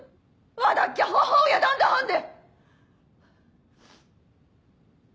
わだっきゃ母親だんだはんで！